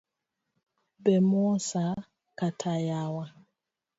Bemosa kata yawa.